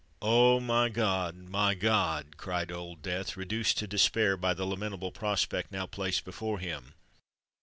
"Oh! my God! my God!" cried Old Death, reduced to despair by the lamentable prospect now placed before him.